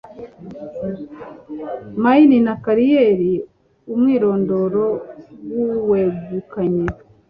mine na kariyeri umwirondoro w uwegukanye